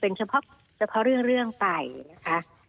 เป็นเฉพาะเรื่องไปนะคะ